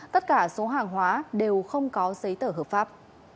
tất cả số hàng hóa đều không có giấy tờ hợp pháp